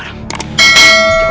jangan sentuh aida